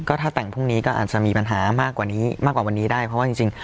ก็ถ้าแต่งพรุ่งนี้ก็อาจจะมีปัญหามากกว่านี้มากกว่าวันนี้ได้เพราะว่าจริง